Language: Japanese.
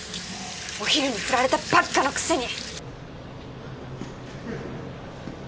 お昼にフラれたばっかのくせに！